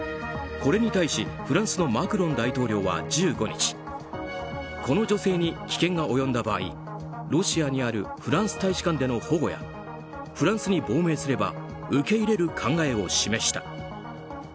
これに対し、フランスのマクロン大統領は１５日この女性に危険が及んだ場合ロシアにあるフランス大使館での保護やフランスに亡命すれば受け入れる考えを示した。